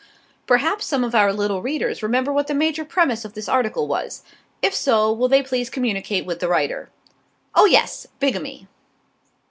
Perhaps some of our little readers remember what the major premise of this article was. If so, will they please communicate with the writer. Oh, yes! Bigamy!